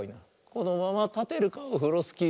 「このままたてるかオフロスキー」